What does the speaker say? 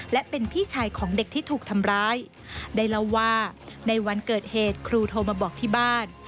และเป็นพี่ชายของเด็กที่ถูกทำร้ายได้เล่าว่าในวันเกิดเหตุครูโทรมาบอกที่บ้าน